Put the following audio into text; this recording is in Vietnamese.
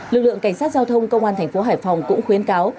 lực lượng cảnh sát giao thông công an tp hải phòng cũng khuyến cáo